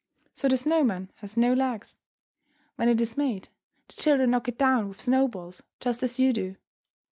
So the snow man has no legs. When it is made, the children knock it down with snow balls, just as you do.